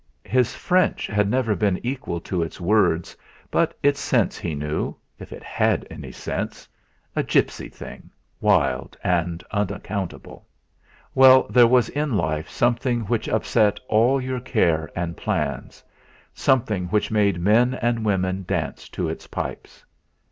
His French had never been equal to its words, but its sense he knew, if it had any sense, a gipsy thing wild and unaccountable. Well, there was in life something which upset all your care and plans something which made men and women dance to its pipes.